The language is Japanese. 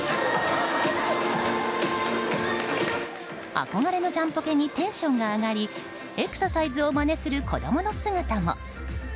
憧れのジャンポケにテンションが上がりエクササイズをまねする子供の姿も。